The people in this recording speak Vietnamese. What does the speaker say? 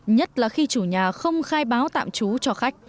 nhất là khi chủ nhà không khai báo tạm trú cho khách